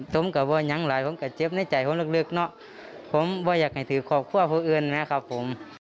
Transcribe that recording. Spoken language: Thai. ต้มกับว่ายังไหลต้มกับเจ็บในใจผมลึกเนาะผมว่าอยากให้ถือขอบคุณพวกอื่นนะครับผม